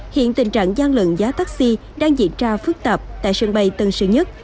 hiện tình trạng gian lận giá taxi đang diễn ra phức tạp tại sân bay tân sơn nhất